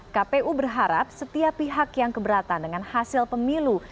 kpu berharap setiap pihak yang keberatan dengan hasil pemilu